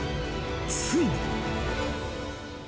ついに］